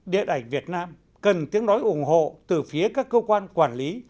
điện ảnh việt nam cần tiếng nói ủng hộ từ phía các cơ quan quản lý